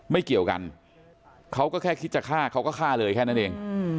เกี่ยวกันเขาก็แค่คิดจะฆ่าเขาก็ฆ่าเลยแค่นั้นเอง